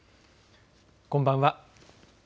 こんばんは。